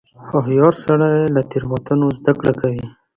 هوښیار سړی له تېروتنو زده کړه کوي.